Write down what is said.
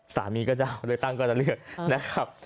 ก็จะเลือกตั้งก็จะเลือกนะครับ